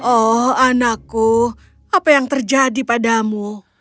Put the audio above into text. oh anakku apa yang terjadi padamu